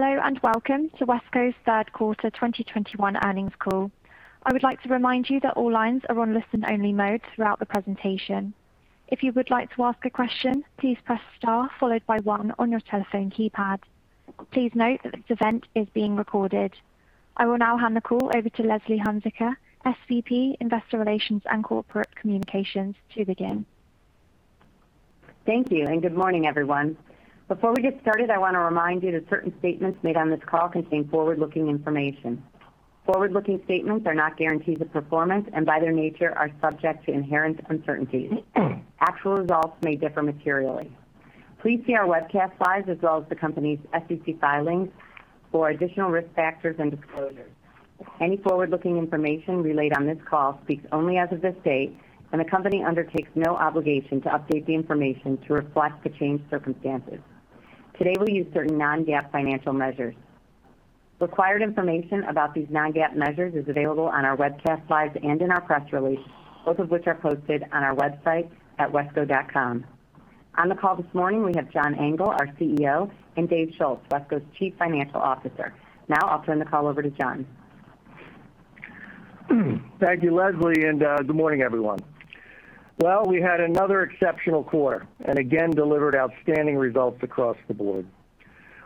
Hello, and welcome to WESCO's third quarter 2021 earnings call. I would like to remind you that all lines are on listen only mode throughout the presentation. If you would like to ask a question, please press star followed by one on your telephone keypad. Please note that this event is being recorded. I will now hand the call over to Leslie Hunziker, SVP, Investor Relations and Corporate Communications to begin. Thank you, and good morning, everyone. Before we get started, I wanna remind you that certain statements made on this call contain forward-looking information. Forward-looking statements are not guarantees of performance, and by their nature are subject to inherent uncertainties. Actual results may differ materially. Please see our webcast slides as well as the company's SEC filings for additional risk factors and disclosures. Any forward-looking information relayed on this call speaks only as of this date, and the company undertakes no obligation to update the information to reflect the changed circumstances. Today, we'll use certain non-GAAP financial measures. Required information about these non-GAAP measures is available on our webcast slides and in our press release, both of which are posted on our website at wesco.com. On the call this morning, we have John Engel, our CEO, and Dave Schulz, WESCO's Chief Financial Officer. Now I'll turn the call over to John. Thank you, Leslie, and good morning, everyone. Well, we had another exceptional quarter and again delivered outstanding results across the board.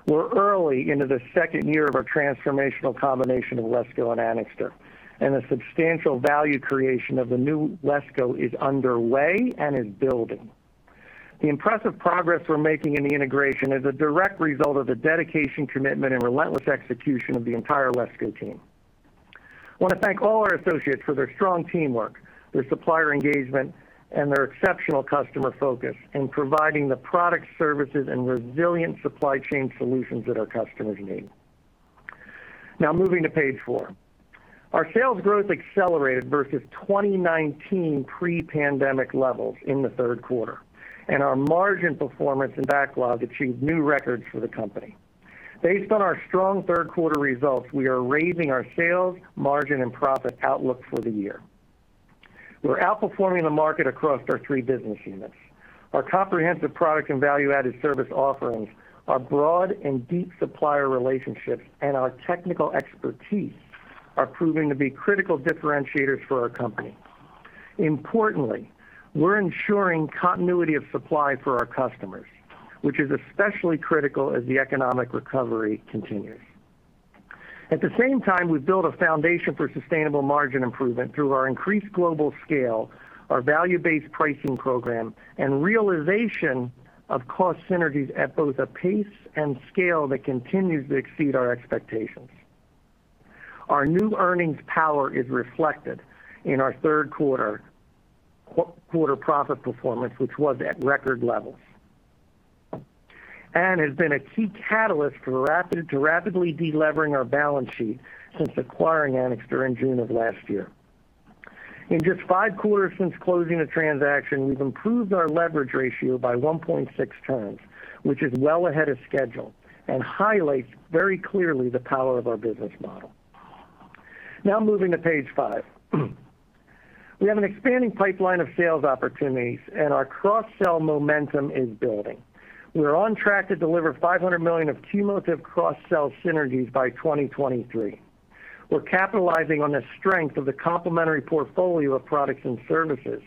We're early into the second year of our transformational combination of WESCO and Anixter, and the substantial value creation of the new WESCO is underway and is building. The impressive progress we're making in the integration is a direct result of the dedication, commitment, and relentless execution of the entire WESCO team. Wanna thank all our associates for their strong teamwork, their supplier engagement, and their exceptional customer focus in providing the product services and resilient supply chain solutions that our customers need. Now moving to page four. Our sales growth accelerated versus 2019 pre-pandemic levels in the third quarter, and our margin performance and backlog achieved new records for the company. Based on our strong third quarter results, we are raising our sales, margin, and profit outlook for the year. We're outperforming the market across our three business units. Our comprehensive product and value-added service offerings, our broad and deep supplier relationships, and our technical expertise are proving to be critical differentiators for our company. Importantly, we're ensuring continuity of supply for our customers, which is especially critical as the economic recovery continues. At the same time, we've built a foundation for sustainable margin improvement through our increased global scale, our value-based pricing program, and realization of cost synergies at both a pace and scale that continues to exceed our expectations. Our new earnings power is reflected in our third quarter profit performance, which was at record levels, and has been a key catalyst for rapidly de-levering our balance sheet since acquiring Anixter in June of last year. In just five quarters since closing the transaction, we've improved our leverage ratio by 1.6x, which is well ahead of schedule and highlights very clearly the power of our business model. Now moving to page five. We have an expanding pipeline of sales opportunities, and our cross-sell momentum is building. We're on track to deliver $500 million of cumulative cross-sell synergies by 2023. We're capitalizing on the strength of the complementary portfolio of products and services,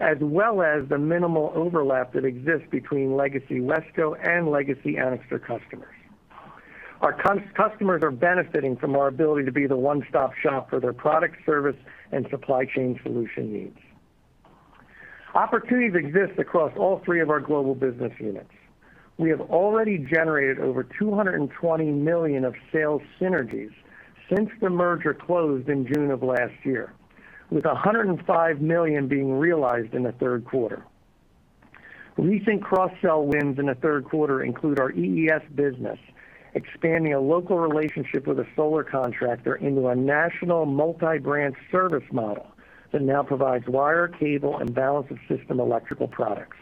as well as the minimal overlap that exists between legacy WESCO and legacy Anixter customers. Our customers are benefiting from our ability to be the one-stop shop for their product service and supply chain solution needs. Opportunities exist across all three of our global business units. We have already generated over $220 million of sales synergies since the merger closed in June of last year, with $105 million being realized in the third quarter. Recent cross-sell wins in the third quarter include our EES business, expanding a local relationship with a solar contractor into a national multi-brand service model that now provides wire, cable, and balance of system electrical products.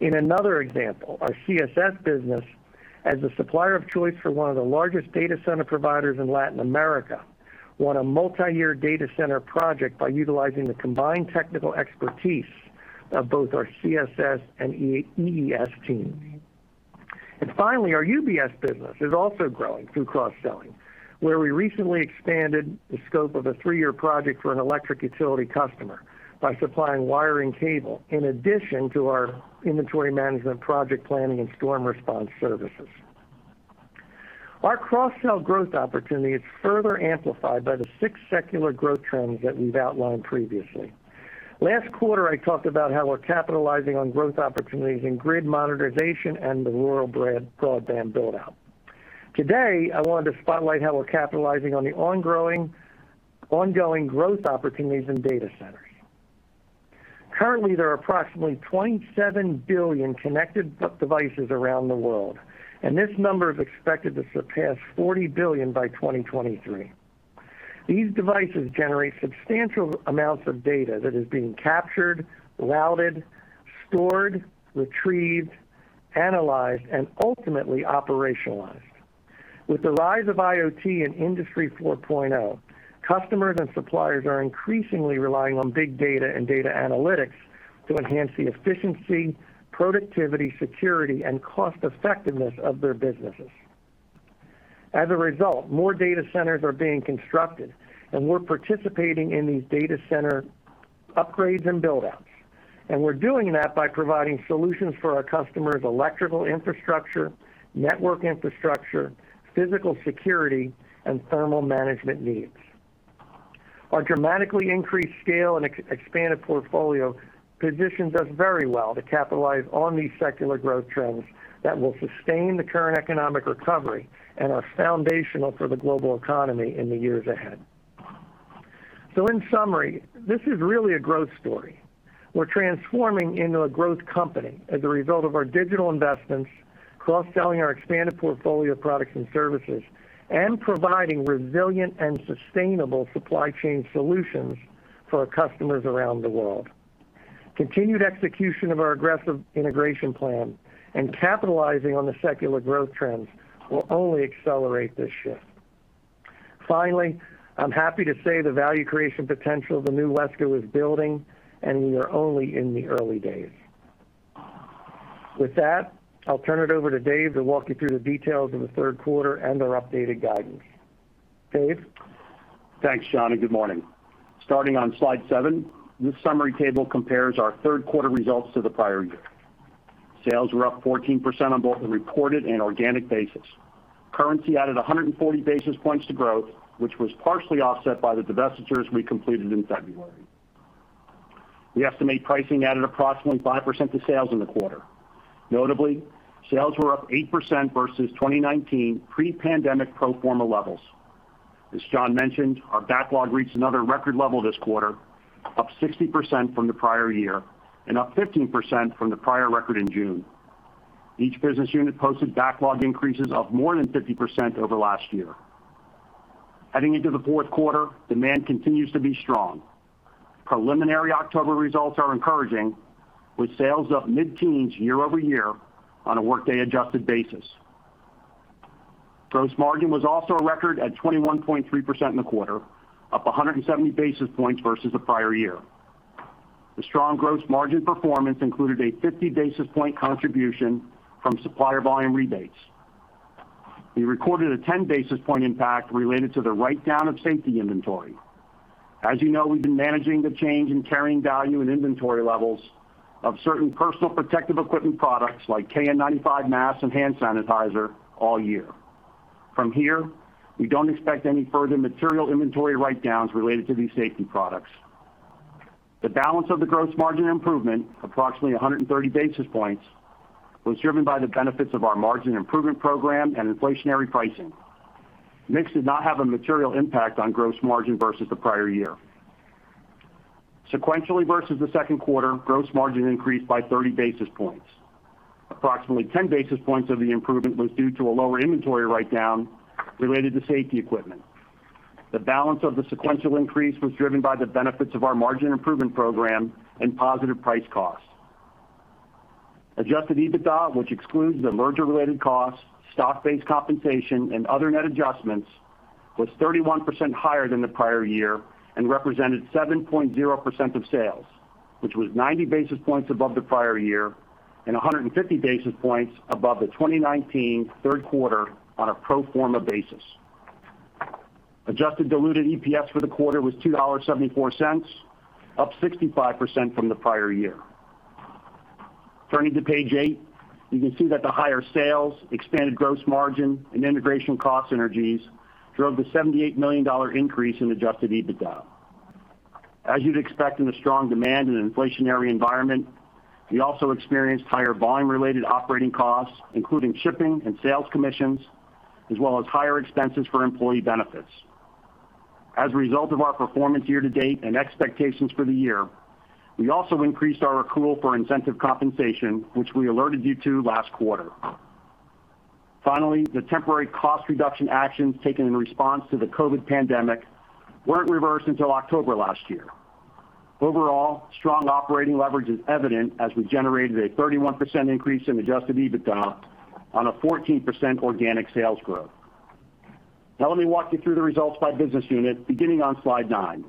In another example, our CSS business as a supplier of choice for one of the largest data center providers in Latin America won a multi-year data center project by utilizing the combined technical expertise of both our CSS and EES teams. Finally, our UBS business is also growing through cross-selling, where we recently expanded the scope of a three-year project for an electric utility customer by supplying wiring cable in addition to our inventory management, project planning, and storm response services. Our cross-sell growth opportunity is further amplified by the six secular growth trends that we've outlined previously. Last quarter, I talked about how we're capitalizing on growth opportunities in grid modernization and the rural broadband build-out. Today, I wanted to spotlight how we're capitalizing on the ongoing growth opportunities in data centers. Currently, there are approximately 27 billion connected devices around the world, and this number is expected to surpass 40 billion by 2023. These devices generate substantial amounts of data that is being captured, routed, stored, retrieved, analyzed, and ultimately operationalized. With the rise of IoT and Industry 4.0, customers and suppliers are increasingly relying on big data and data analytics to enhance the efficiency, productivity, security, and cost effectiveness of their businesses. As a result, more data centers are being constructed, and we're participating in these data center upgrades and build-outs. We're doing that by providing solutions for our customers' electrical infrastructure, network infrastructure, physical security, and thermal management needs. Our dramatically increased scale and expanded portfolio positions us very well to capitalize on these secular growth trends that will sustain the current economic recovery and are foundational for the global economy in the years ahead. In summary, this is really a growth story. We're transforming into a growth company as a result of our digital investments, cross-selling our expanded portfolio of products and services, and providing resilient and sustainable supply chain solutions for our customers around the world. Continued execution of our aggressive integration plan and capitalizing on the secular growth trends will only accelerate this shift. Finally, I'm happy to say the value creation potential of the new WESCO is building, and we are only in the early days. With that, I'll turn it over to Dave to walk you through the details of the third quarter and our updated guidance. Dave? Thanks, John, and good morning. Starting on slide seven, this summary table compares our third quarter results to the prior year. Sales were up 14% on both the reported and organic basis. Currency added 140 basis points to growth, which was partially offset by the divestitures we completed in February. We estimate pricing added approximately 5% to sales in the quarter. Notably, sales were up 8% versus 2019 pre-pandemic pro forma levels. As John mentioned, our backlog reached another record level this quarter, up 60% from the prior year and up 15% from the prior record in June. Each business unit posted backlog increases of more than 50% over last year. Heading into the fourth quarter, demand continues to be strong. Preliminary October results are encouraging, with sales up mid-teens year-over-year on a workday-adjusted basis. Gross margin was also a record at 21.3% in the quarter, up 170 basis points versus the prior year. The strong gross margin performance included a 50 basis point contribution from supplier volume rebates. We recorded a 10 basis point impact related to the write-down of safety inventory. As you know, we've been managing the change in carrying value and inventory levels of certain personal protective equipment products like KN95 masks and hand sanitizer all year. From here, we don't expect any further material inventory write-downs related to these safety products. The balance of the gross margin improvement, approximately 130 basis points, was driven by the benefits of our margin improvement program and inflationary pricing. Mix did not have a material impact on gross margin versus the prior year. Sequentially versus the second quarter, gross margin increased by 30 basis points. Approximately 10 basis points of the improvement was due to a lower inventory write-down related to safety equipment. The balance of the sequential increase was driven by the benefits of our margin improvement program and positive price costs. Adjusted EBITDA, which excludes the merger-related costs, stock-based compensation, and other net adjustments, was 31% higher than the prior year and represented 7.0% of sales, which was 90 basis points above the prior year and 150 basis points above the 2019 third quarter on a pro forma basis. Adjusted diluted EPS for the quarter was $2.74, up 65% from the prior year. Turning to page eight, you can see that the higher sales, expanded gross margin, and integration cost synergies drove the $78 million increase in adjusted EBITDA. As you'd expect in a strong demand and an inflationary environment, we also experienced higher volume-related operating costs, including shipping and sales commissions, as well as higher expenses for employee benefits. As a result of our performance year to date and expectations for the year, we also increased our accrual for incentive compensation, which we alerted you to last quarter. Finally, the temporary cost reduction actions taken in response to the COVID pandemic weren't reversed until October last year. Overall, strong operating leverage is evident as we generated a 31% increase in adjusted EBITDA on a 14% organic sales growth. Now, let me walk you through the results by business unit, beginning on slide nine.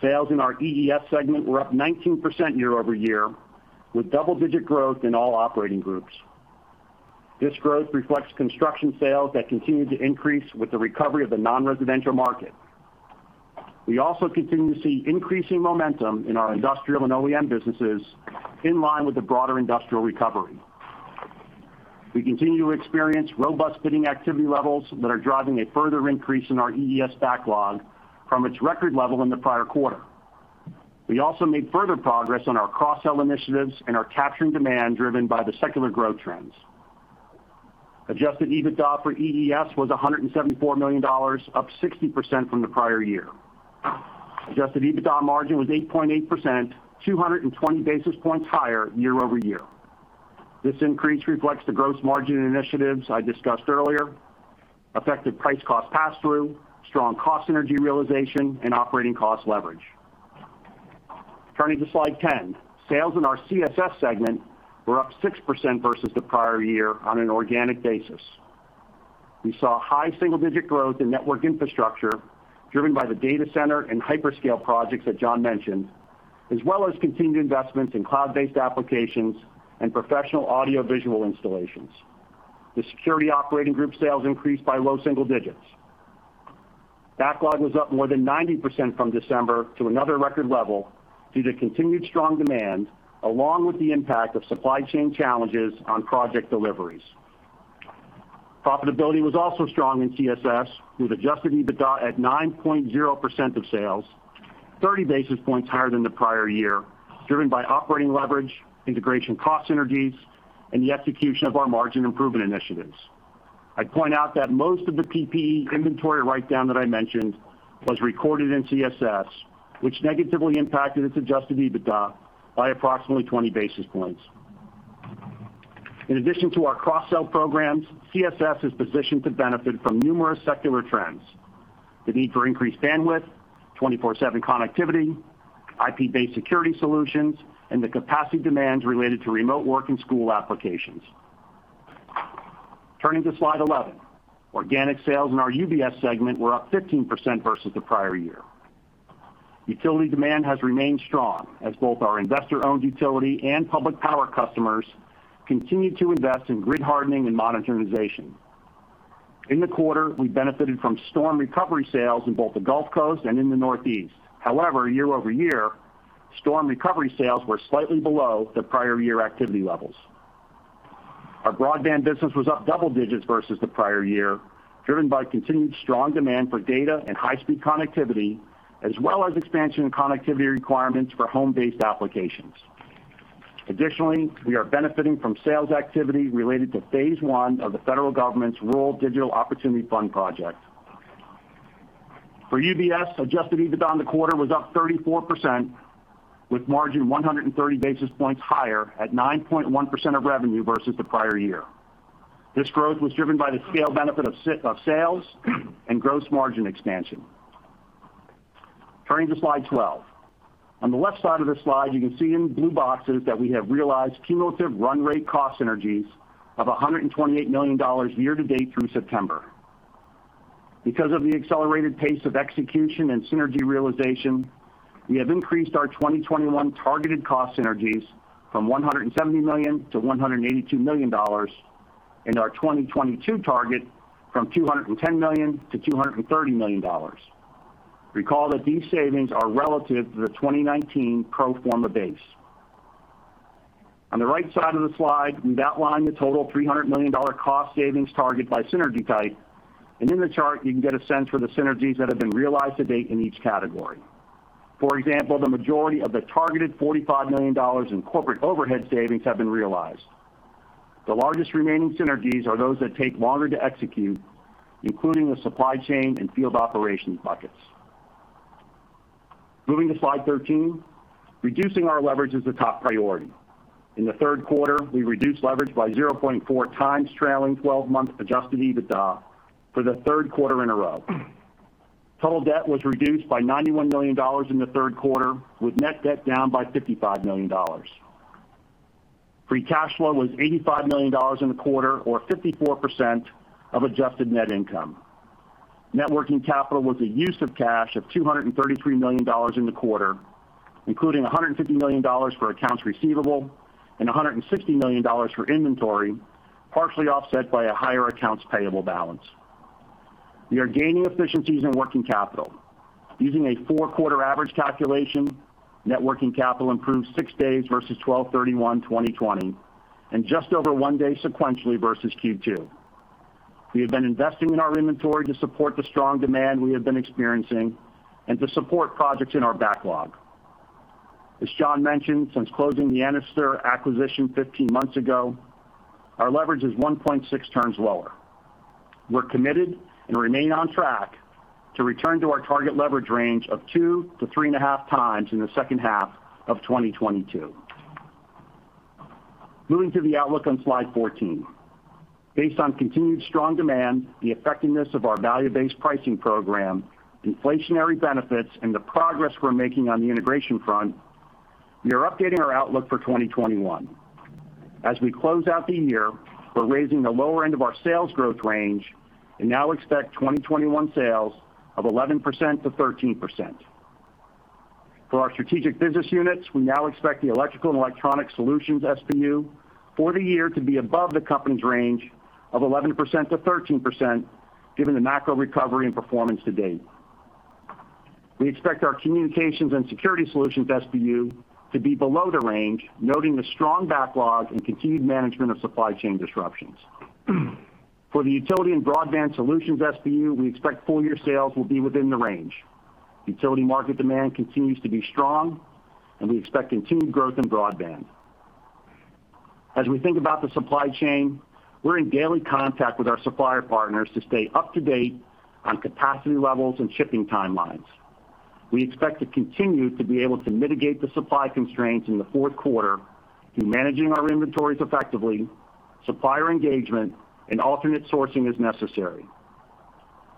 Sales in our EES segment were up 19% year-over-year, with double-digit growth in all operating groups. This growth reflects construction sales that continue to increase with the recovery of the non-residential market. We also continue to see increasing momentum in our industrial and OEM businesses in line with the broader industrial recovery. We continue to experience robust bidding activity levels that are driving a further increase in our EES backlog from its record level in the prior quarter. We also made further progress on our cross-sell initiatives and are capturing demand driven by the secular growth trends. Adjusted EBITDA for EES was $174 million, up 60% from the prior year. Adjusted EBITDA margin was 8.8%, 200 basis points higher year-over-year. This increase reflects the gross margin initiatives I discussed earlier, effective price cost pass-through, strong cost synergy realization, and operating cost leverage. Turning to slide 10. Sales in our CSS segment were up 6% versus the prior year on an organic basis. We saw high-single-digit growth in network infrastructure, driven by the data center and hyperscale projects that John mentioned, as well as continued investments in cloud-based applications and professional audio-visual installations. The security operating group sales increased by low-single-digits. Backlog was up more than 90% from December to another record level due to continued strong demand, along with the impact of supply chain challenges on project deliveries. Profitability was also strong in CSS, with adjusted EBITDA at 9.0% of sales, 30 basis points higher than the prior year, driven by operating leverage, integration cost synergies, and the execution of our margin improvement initiatives. I'd point out that most of the PPE inventory write-down that I mentioned was recorded in CSS, which negatively impacted its adjusted EBITDA by approximately 20 basis points. In addition to our cross-sell programs, CSS is positioned to benefit from numerous secular trends, the need for increased bandwidth, 24/7 connectivity, IP-based security solutions, and the capacity demands related to remote work and school applications. Turning to slide 11. Organic sales in our UBS segment were up 15% versus the prior year. Utility demand has remained strong as both our investor-owned utility and public power customers continue to invest in grid hardening and modernization. In the quarter, we benefited from storm recovery sales in both the Gulf Coast and in the Northeast. However, year-over-year, storm recovery sales were slightly below the prior year activity levels. Our broadband business was up double-digits versus the prior year, driven by continued strong demand for data and high-speed connectivity, as well as expansion and connectivity requirements for home-based applications. Additionally, we are benefiting from sales activity related to phase one of the federal government's Rural Digital Opportunity Fund project. For UBS, adjusted EBITDA in the quarter was up 34% with margin 130 basis points higher at 9.1% of revenue versus the prior year. This growth was driven by the scale benefit of sales and gross margin expansion. Turning to slide 12. On the left side of this slide, you can see in blue boxes that we have realized cumulative run rate cost synergies of $128 million year-to-date through September. Because of the accelerated pace of execution and synergy realization, we have increased our 2021 targeted cost synergies from $170 million to $182 million and our 2022 target from $210 million to $230 million. Recall that these savings are relative to the 2019 pro forma base. On the right side of the slide, we've outlined the total $300 million cost savings target by synergy type, and in the chart, you can get a sense for the synergies that have been realized to date in each category. For example, the majority of the targeted $45 million in corporate overhead savings have been realized. The largest remaining synergies are those that take longer to execute, including the supply chain and field operations buckets. Moving to slide 13. Reducing our leverage is the top priority. In the third quarter, we reduced leverage by 0.4x trailing 12-month adjusted EBITDA for the third quarter in a row. Total debt was reduced by $91 million in the third quarter, with net debt down by $55 million. Free cash flow was $85 million in the quarter or 54% of adjusted net income. Net working capital was a use of cash of $233 million in the quarter, including $150 million for accounts receivable and $160 million for inventory, partially offset by a higher accounts payable balance. We are gaining efficiencies in working capital. Using a four-quarter average calculation, net working capital improved six days versus December 31st 2020, and just over one day sequentially versus Q2. We have been investing in our inventory to support the strong demand we have been experiencing and to support projects in our backlog. As John mentioned, since closing the Anixter acquisition 15 months ago, our leverage is 1.6 turns lower. We're committed and remain on track to return to our target leverage range of 2-3.5x in the second half of 2022. Moving to the outlook on slide 14. Based on continued strong demand, the effectiveness of our value-based pricing program, inflationary benefits, and the progress we're making on the integration front, we are updating our outlook for 2021. As we close out the year, we're raising the lower end of our sales growth range and now expect 2021 sales of 11%-13%. For our strategic business units, we now expect the Electrical & Electronic Solutions SBU for the year to be above the company's range of 11%-13%, given the macro recovery and performance to date. We expect our Communications & Security Solutions SBU to be below the range, noting the strong backlog and continued management of supply chain disruptions. For the Utility and Broadband Solutions SBU, we expect full-year sales will be within the range. Utility market demand continues to be strong, and we expect continued growth in broadband. As we think about the supply chain, we're in daily contact with our supplier partners to stay up-to-date on capacity levels and shipping timelines. We expect to continue to be able to mitigate the supply constraints in the fourth quarter through managing our inventories effectively, supplier engagement, and alternate sourcing as necessary.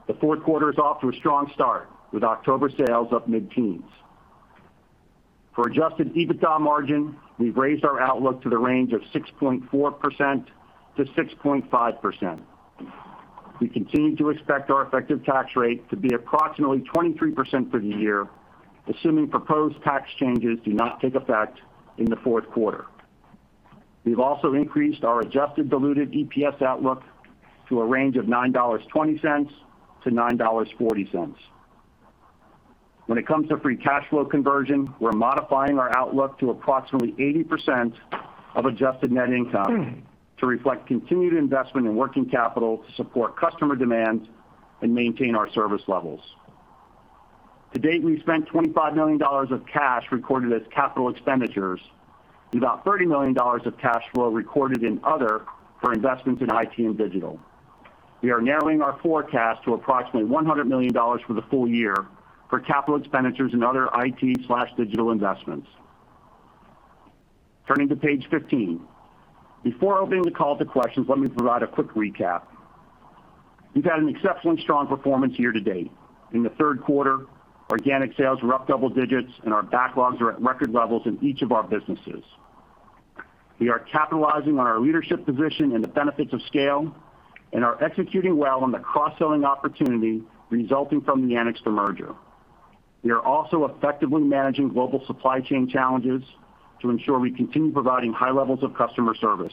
The fourth quarter is off to a strong start with October sales up mid-teens%. For adjusted EBITDA margin, we've raised our outlook to the range of 6.4%-6.5%. We continue to expect our effective tax rate to be approximately 23% for the year, assuming proposed tax changes do not take effect in the fourth quarter. We've also increased our adjusted diluted EPS outlook to a range of $9.20-$9.40. When it comes to free cash flow conversion, we're modifying our outlook to approximately 80% of adjusted net income to reflect continued investment in working capital to support customer demand and maintain our service levels. To date, we've spent $25 million of cash recorded as capital expenditures and about $30 million of cash flow recorded in other for investments in IT and digital. We are narrowing our forecast to approximately $100 million for the full year for capital expenditures and other IT/digital investments. Turning to page 15. Before opening the call to questions, let me provide a quick recap. We've had an exceptionally strong performance year to date. In the third quarter, organic sales were up double-digits, and our backlogs are at record levels in each of our businesses. We are capitalizing on our leadership position and the benefits of scale and are executing well on the cross-selling opportunity resulting from the Anixter merger. We are also effectively managing global supply chain challenges to ensure we continue providing high levels of customer service.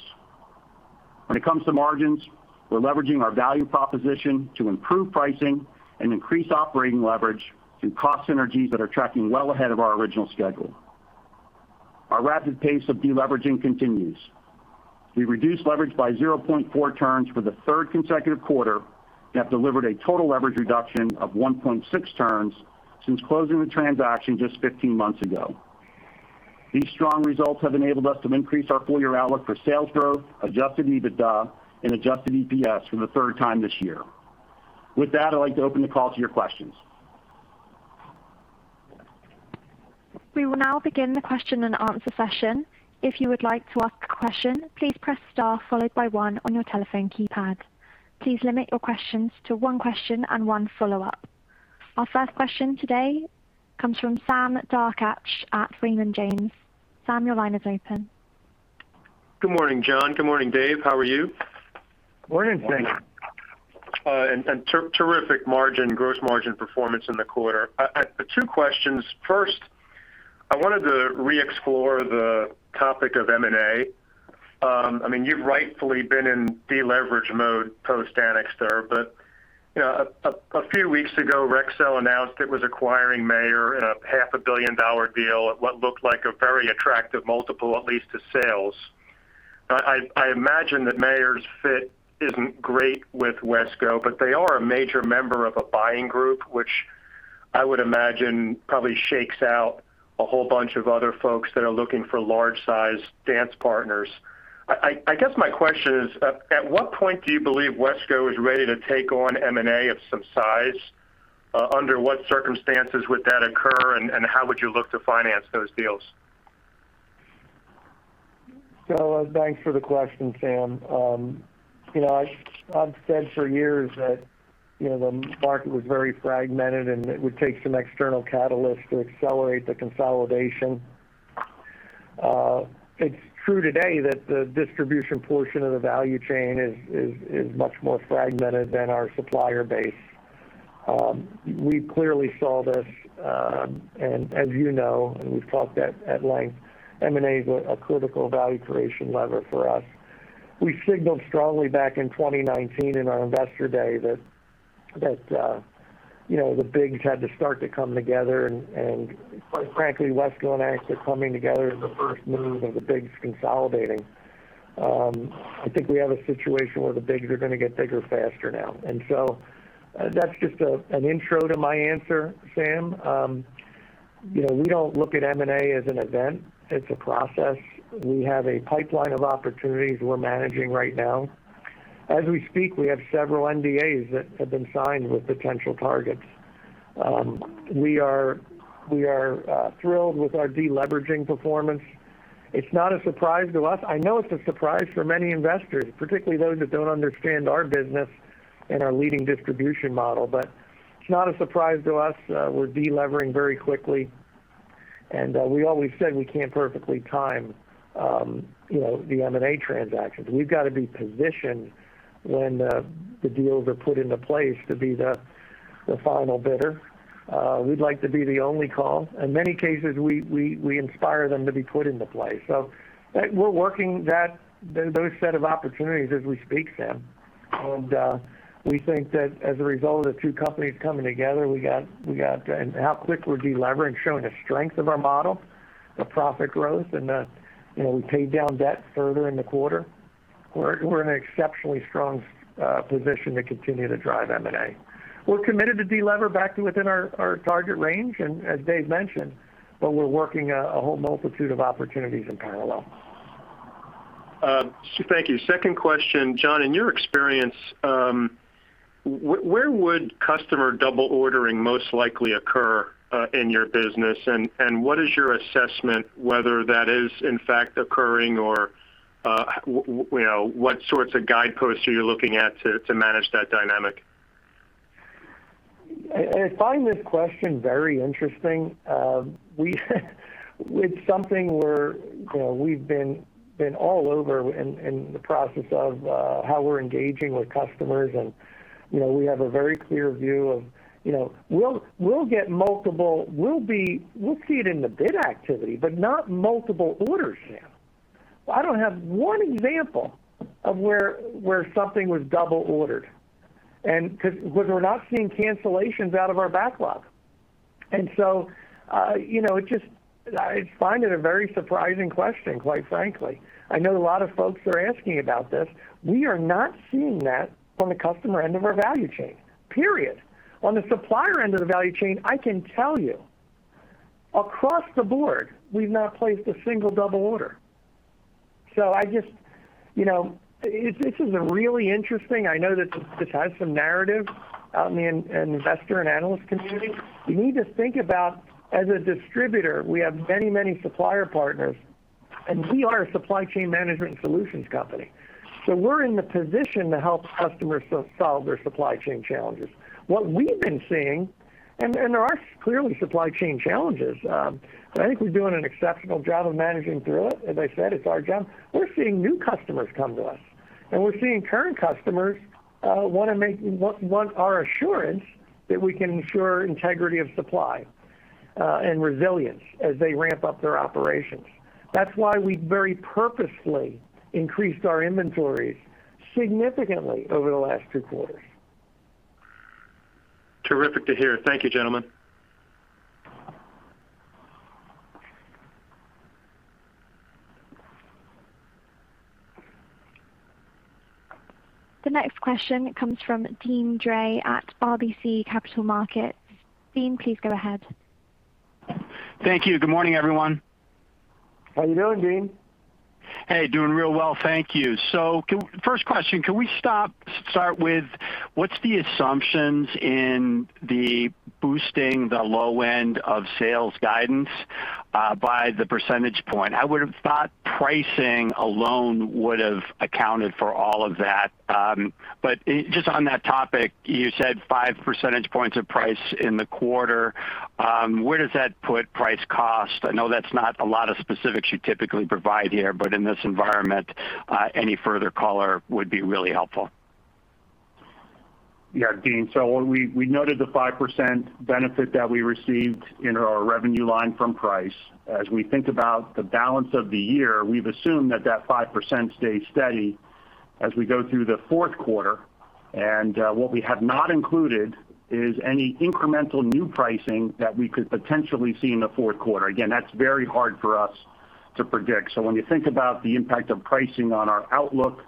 When it comes to margins, we're leveraging our value proposition to improve pricing and increase operating leverage through cost synergies that are tracking well ahead of our original schedule. Our rapid pace of deleveraging continues. We reduced leverage by 0.4 turns for the third consecutive quarter and have delivered a total leverage reduction of 1.6 turns since closing the transaction just 15 months ago. These strong results have enabled us to increase our full-year outlook for sales growth, adjusted EBITDA, and adjusted EPS for the third time this year. With that, I'd like to open the call to your questions. We will now begin the question-and-answer session. If you would like to ask a question, please press star followed by one on your telephone keypad. Please limit your questions to one question and one follow-up. Our first question today comes from Sam Darkatsh at Raymond James. Sam, your line is open. Good morning, John. Good morning, Dave. How are you? Morning, Sam. Morning. Terrific gross margin performance in the quarter. Two questions. First, I wanted to re-explore the topic of M&A. I mean, you've rightfully been in deleverage mode post-Anixter, but you know, a few weeks ago, Rexel announced it was acquiring Mayer in a $0.5 billion deal at what looked like a very attractive multiple, at least to sales. I imagine that Mayer's fit isn't great with WESCO, but they are a major member of a buying group, which I would imagine probably shakes out a whole bunch of other folks that are looking for large-sized dance partners. I guess my question is, at what point do you believe WESCO is ready to take on M&A of some size? Under what circumstances would that occur, and how would you look to finance those deals? Thanks for the question, Sam. You know, I've said for years that the market was very fragmented, and it would take some external catalyst to accelerate the consolidation. It's true today that the distribution portion of the value chain is much more fragmented than our supplier base. We clearly saw this, and as you know, and we've talked at length, M&A is a critical value creation lever for us. We signaled strongly back in 2019 in our investor day that you know the Bigs had to start to come together, and quite frankly, WESCO and Anixter coming together is the first move of the Bigs consolidating. I think we have a situation where the Bigs are gonna get bigger faster now. That's just an intro to my answer, Sam. You know, we don't look at M&A as an event. It's a process. We have a pipeline of opportunities we're managing right now. As we speak, we have several NDAs that have been signed with potential targets. We are thrilled with our deleveraging performance. It's not a surprise to us. I know it's a surprise for many investors, particularly those that don't understand our business and our leading distribution model, but it's not a surprise to us. We're delevering very quickly, and we always said we can't perfectly time you know, the M&A transactions. We've got to be positioned when the deals are put into place to be the final bidder. We'd like to be the only call. In many cases, we inspire them to be put into place. We're working on those sets of opportunities as we speak, Sam. We think that as a result of two companies coming together, how quickly we're deleveraging, showing the strength of our model, the profit growth, you know, we paid down debt further in the quarter. We're in an exceptionally strong position to continue to drive M&A. We're committed to deleverage back to within our target range, and as Dave mentioned, but we're working a whole multitude of opportunities in parallel. Thank you. Second question. John, in your experience, where would customer double ordering most likely occur, in your business? What is your assessment whether that is in fact occurring or, you know, what sorts of guideposts are you looking at to manage that dynamic? I find this question very interesting. It's something we're, you know, we've been all over in the process of how we're engaging with customers. You know, we have a very clear view of. You know, we'll get multiple. We'll see it in the bid activity, but not multiple orders, Sam. I don't have one example of where something was double ordered and 'cause we're not seeing cancellations out of our backlog. You know, it just. I find it a very surprising question, quite frankly. I know a lot of folks are asking about this. We are not seeing that from the customer end of our value chain, period. On the supplier end of the value chain, I can tell you across the board, we've not placed a single double order. I just, you know, this is really interesting. I know that this has some narrative out in the investor and analyst community. You need to think about, as a distributor, we have many supplier partners, and we are a supply chain management and solutions company. We're in the position to help customers solve their supply chain challenges. What we've been seeing, there are clearly supply chain challenges. I think we're doing an exceptional job of managing through it. As I said, it's our job. We're seeing new customers come to us, and we're seeing current customers want our assurance that we can ensure integrity of supply and resilience as they ramp up their operations. That's why we very purposefully increased our inventories significantly over the last two quarters. Terrific to hear. Thank you, gentlemen. The next question comes from Deane Dray at RBC Capital Markets. Deane, please go ahead. Thank you. Good morning, everyone. How you doing, Dean? Hey, doing real well. Thank you. First question, can we start with what's the assumptions in the boosting the low end of sales guidance by the percentage point? I would have thought pricing alone would have accounted for all of that. Just on that topic, you said 5 percentage points of price in the quarter. Where does that put price cost? I know that's not a lot of specifics you typically provide here, but in this environment, any further color would be really helpful. Yeah, Dean. When we noted the 5% benefit that we received in our revenue line from price. As we think about the balance of the year, we've assumed that that 5% stays steady as we go through the fourth quarter. What we have not included is any incremental new pricing that we could potentially see in the fourth quarter. Again, that's very hard for us to predict. When you think about the impact of pricing on our outlook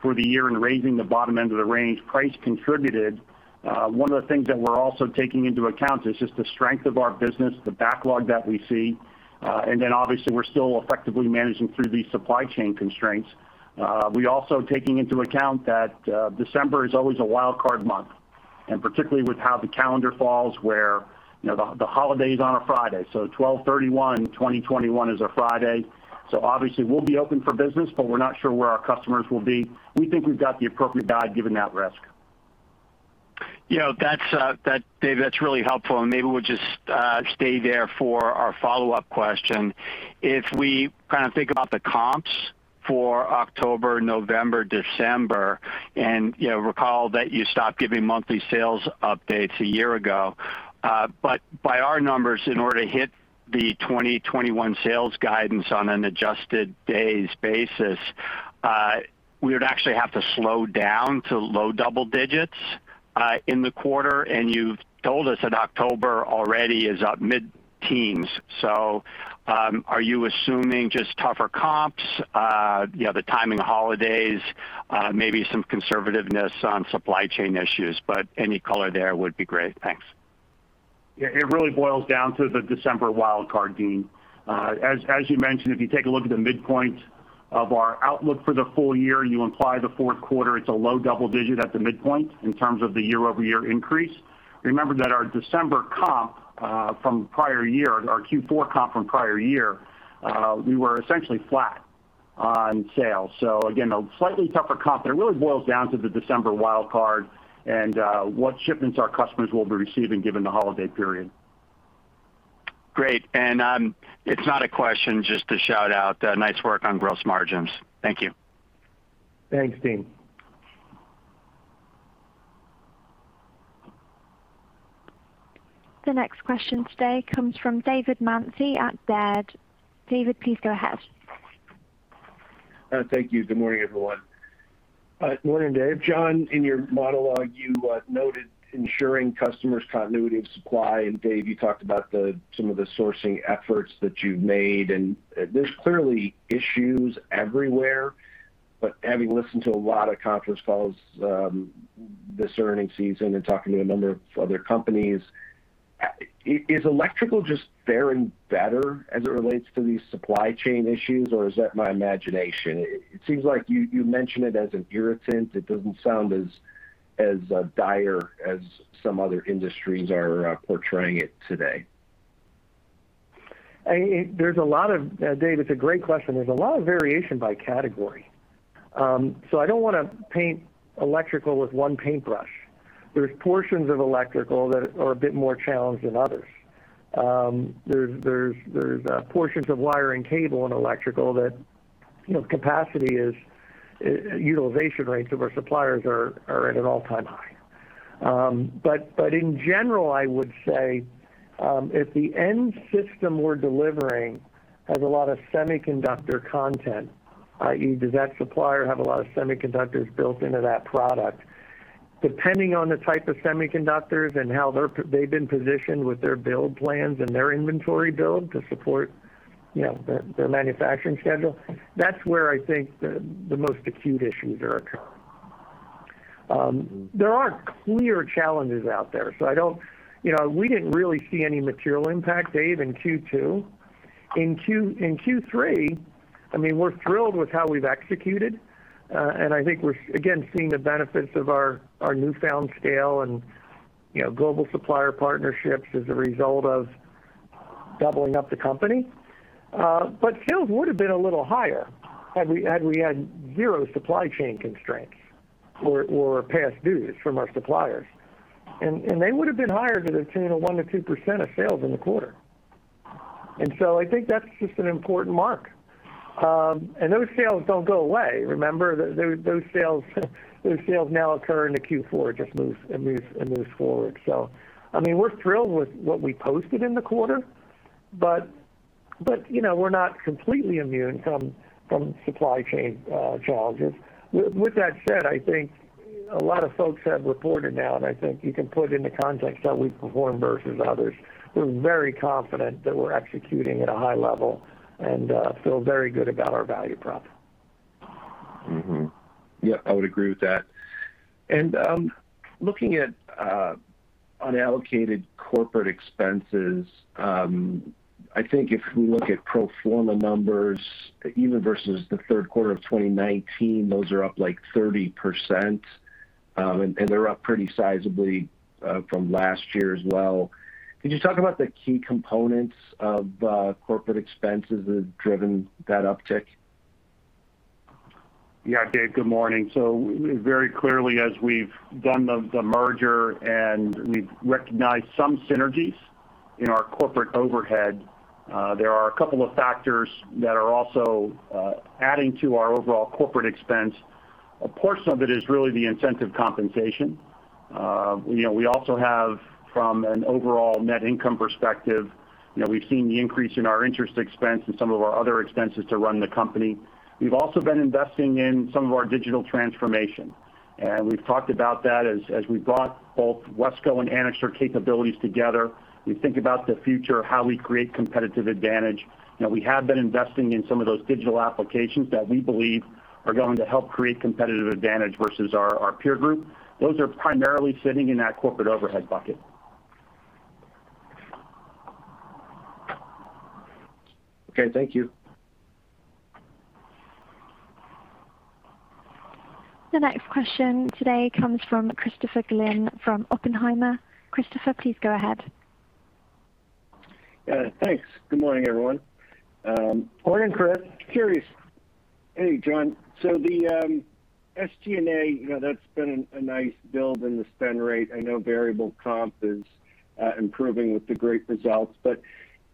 for the year and raising the bottom end of the range, price contributed. One of the things that we're also taking into account is just the strength of our business, the backlog that we see, and then obviously we're still effectively managing through these supply chain constraints. We're also taking into account that December is always a wild card month, and particularly with how the calendar falls, where, you know, the holiday is on a Friday. 12 December 2021 is a Friday. Obviously we'll be open for business, but we're not sure where our customers will be. We think we've got the appropriate guide given that risk. You know, that's Dave, that's really helpful, and maybe we'll just stay there for our follow-up question. If we kind of think about the comps for October, November, December, and you know, recall that you stopped giving monthly sales updates a year ago. By our numbers, in order to hit the 2021 sales guidance on an adjusted days basis, we would actually have to slow down to low-double-digits in the quarter, and you've told us that October already is up mid-teens. Are you assuming just tougher comps, you know, the timing of holidays, maybe some conservativeness on supply chain issues? Any color there would be great. Thanks. Yeah. It really boils down to the December wild card, Dean. As you mentioned, if you take a look at the midpoint of our outlook for the full year and you imply the fourth quarter, it's a low-double-digit at the midpoint in terms of the year-over-year increase. Remember that our December comp from prior year, our Q4 comp from prior year, we were essentially flat on sales. Again, a slightly tougher comp, but it really boils down to the December wild card and what shipments our customers will be receiving given the holiday period. Great. It's not a question, just a shout-out. Nice work on gross margins. Thank you. Thanks, Deane. The next question today comes from David Manthey at Baird. David, please go ahead. Thank you. Good morning, everyone. Morning, Dave. John, in your monologue, you noted ensuring customers continuity of supply, and Dave, you talked about some of the sourcing efforts that you've made, and there's clearly issues everywhere. Having listened to a lot of conference calls, this earnings season and talking to a number of other companies, is electrical just faring better as it relates to these supply chain issues, or is that my imagination? It seems like you mention it as an irritant. It doesn't sound as dire as some other industries are portraying it today. Dave, it's a great question. There's a lot of variation by category. I don't wanna paint electrical with one paintbrush. There's portions of electrical that are a bit more challenged than others. There's portions of wire and cable in electrical that, you know, capacity is utilization rates of our suppliers are at an all-time high. But in general, I would say, if the end system we're delivering has a lot of semiconductor content, i.e., does that supplier have a lot of semiconductors built into that product? Depending on the type of semiconductors and how they've been positioned with their build plans and their inventory build to support, you know, their manufacturing schedule, that's where I think the most acute issues are occurring. There are clear challenges out there, so I don't. You know, we didn't really see any material impact, Dave, in Q2. In Q3, I mean, we're thrilled with how we've executed, and I think we're, again, seeing the benefits of our newfound scale and, you know, global supplier partnerships as a result of doubling up the company. Sales would've been a little higher had we had zero supply chain constraints or past dues from our suppliers. They would've been higher to the tune of 1%-2% of sales in the quarter. I think that's just an important mark. Those sales don't go away. Remember, those sales now occur into Q4, it just moves forward. I mean, we're thrilled with what we posted in the quarter, but, you know, we're not completely immune from supply chain challenges. With that said, I think a lot of folks have reported now, and I think you can put into context how we've performed versus others. We're very confident that we're executing at a high level and feel very good about our value prop. Mm-hmm. Yep, I would agree with that. Looking at unallocated corporate expenses, I think if we look at pro forma numbers even versus the third quarter of 2019, those are up, like, 30%, and they're up pretty sizably from last year as well. Could you talk about the key components of corporate expenses that have driven that uptick? Yeah, Dave, good morning. Very clearly, as we've done the merger and we've recognized some synergies in our corporate overhead, there are a couple of factors that are also adding to our overall corporate expense. A portion of it is really the incentive compensation. You know, we also have from an overall net income perspective, you know, we've seen the increase in our interest expense and some of our other expenses to run the company. We've also been investing in some of our digital transformation, and we've talked about that as we brought both WESCO and Anixter capabilities together. We think about the future of how we create competitive advantage. You know, we have been investing in some of those digital applications that we believe are going to help create competitive advantage versus our peer group. Those are primarily sitting in that corporate overhead bucket. Okay. Thank you. The next question today comes from Christopher Glynn from Oppenheimer. Christopher, please go ahead. Thanks. Good morning, everyone. Morning, Chris. Hey, John. The SG&A, you know, that's been a nice build in the spend rate. I know variable comp is improving with the great results, but,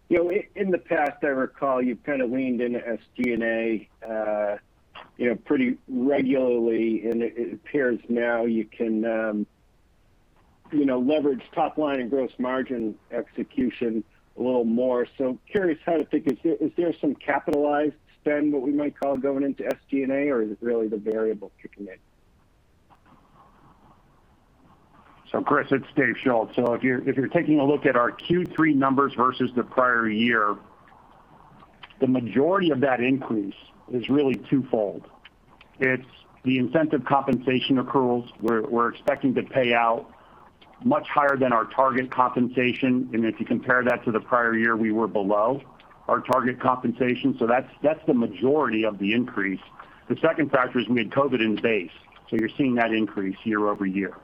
you know, in the past, I recall you've kind of leaned into SG&A pretty regularly, and it appears now you can leverage top line and gross margin execution a little more. Curious how to think. Is there some capitalized spend, what we might call, going into SG&A, or is it really the variable kicking in? Chris, it's Dave Schultz. If you're taking a look at our Q3 numbers versus the prior year, the majority of that increase is really twofold. It's the incentive compensation accruals we're expecting to pay out much higher than our target compensation. If you compare that to the prior year, we were below our target compensation. That's the majority of the increase. The second factor is we had COVID in the base, so you're seeing that increase year-over-year. Now,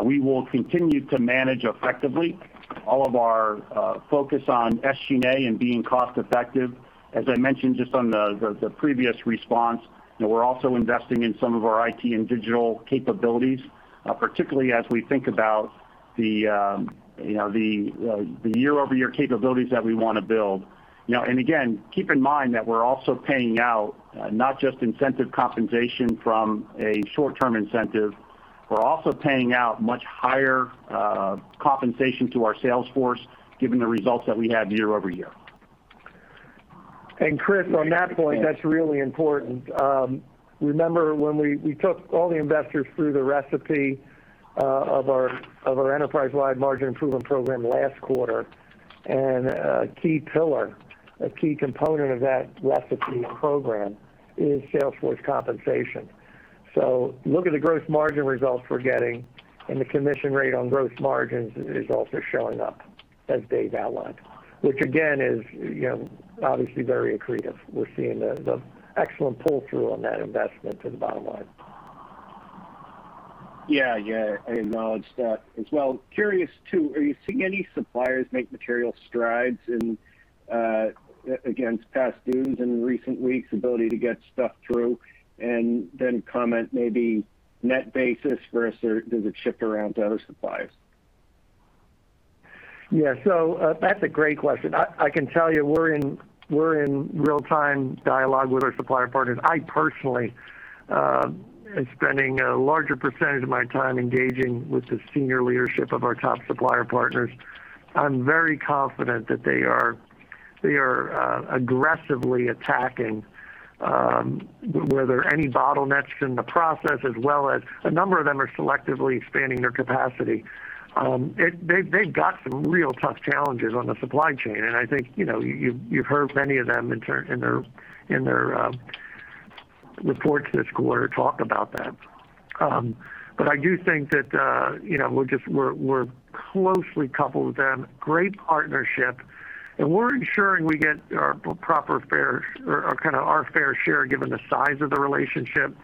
we will continue to manage effectively all of our focus on SG&A and being cost effective. As I mentioned just on the previous response, you know, we're also investing in some of our IT and digital capabilities, particularly as we think about the year-over-year capabilities that we wanna build. You know, keep in mind that we're also paying out, not just incentive compensation from a short-term incentive, we're also paying out much higher compensation to our sales force given the results that we had year-over-year. Chris, on that point, that's really important. Remember when we took all the investors through the recipe of our enterprise-wide margin improvement program last quarter, and a key pillar, a key component of that recipe program is sales force compensation. Look at the gross margin results we're getting, and the commission rate on gross margins is also showing up as Dave outlined, which again is, you know, obviously very accretive. We're seeing the excellent pull-through on that investment to the bottom line. Yeah, yeah, I acknowledge that as well. Curious too, are you seeing any suppliers make material strides in against past dues in recent weeks, ability to get stuff through? Comment maybe net basis versus or does it shift around to other suppliers? Yeah, that's a great question. I can tell you we're in real-time dialogue with our supplier partners. I personally am spending a larger percentage of my time engaging with the senior leadership of our top supplier partners. I'm very confident that they are aggressively attacking any bottlenecks in the process as well as a number of them are selectively expanding their capacity. They've got some real tough challenges on the supply chain, and I think, you know, you've heard many of them in their reports this quarter talk about that. I do think that, you know, we're closely coupled with them, great partnership, and we're ensuring we get our proper fair or kinda our fair share, given the size of the relationship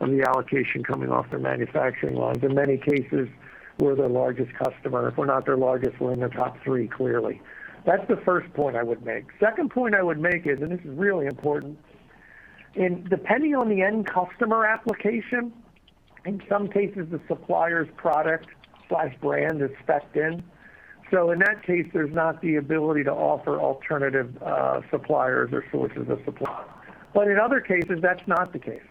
and the allocation coming off their manufacturing lines. In many cases, we're their largest customer. If we're not their largest, we're in the top three, clearly. That's the first point I would make. Second point I would make is, this is really important, depending on the end customer application, in some cases, the supplier's product or brand is spec'd in. So in that case, there's not the ability to offer alternative suppliers or sources of supply. In other cases, that's not the case.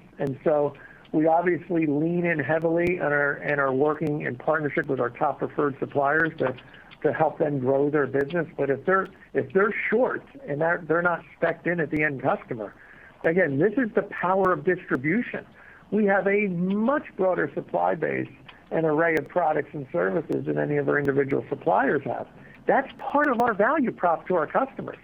We obviously lean in heavily and are working in partnership with our top preferred suppliers to help them grow their business. But if they're short and they're not spec'd in at the end customer, again, this is the power of distribution. We have a much broader supply base and array of products and services than any of our individual suppliers have. That's part of our value prop to our customers.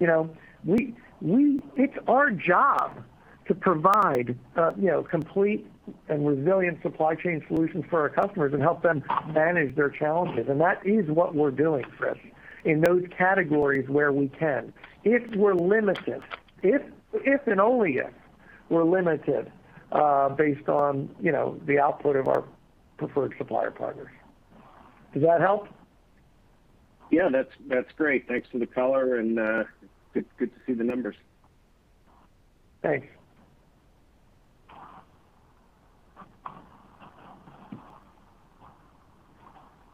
You know, it's our job to provide you know, complete and resilient supply chain solutions for our customers and help them manage their challenges. That is what we're doing, Chris, in those categories where we can. If we're limited, if and only if we're limited, based on the output of our preferred supplier partners. Does that help? Yeah, that's great. Thanks for the color, and good to see the numbers. Thanks.